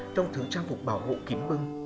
trong thứ trang phục bảo hộ kiếm bưng